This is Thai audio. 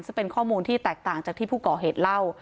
ซึ่งเป็นข้อมูลที่แตกต่างจากที่ผู้ก่อเหตุเล่า